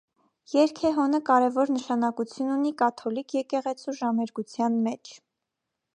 Երգեհոնը կարեւոր նշանակութիւն ունի կաթոլիկ եկեղեցւոյ ժամերգութեան մէջ։